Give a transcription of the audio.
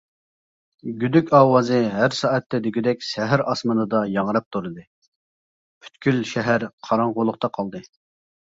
گۈدۈك ئاۋازى ھەر سائەتتە دېگۈدەك شەھەر ئاسمىنىدا ياڭراپ تۇردى، پۈتكۈل شەھەر قاراڭغۇلۇقتا قالدى.